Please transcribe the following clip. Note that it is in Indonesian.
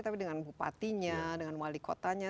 tapi dengan bupatinya dengan wali kotanya